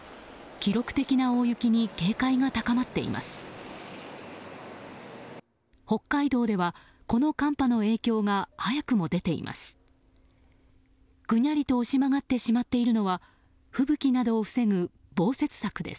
記録的な大雪に警戒が高まっています。